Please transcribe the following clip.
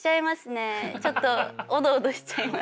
ちょっとおどおどしちゃいます。